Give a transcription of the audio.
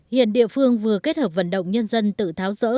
hiện địa phương vừa kết hợp vận động nhân dân tự tháo rỡ